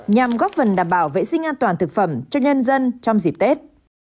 nhằm góp phần đảm bảo vệ sinh an toàn thực phẩm cho nhân dân trong dịp tết